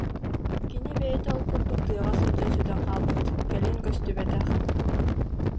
Кини бэйэтэ ол курдук тыаҕа сылдьан сүтэн хаалбыт, кэлин көстүбэтэх